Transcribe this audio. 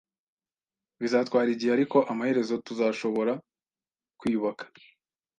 Bizatwara igihe, ariko amaherezo tuzashobora kwiyubaka